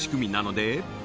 で